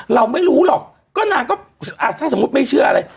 เราไม่รู้หรอกก็นางก็คิดไม่เชื่ออะไร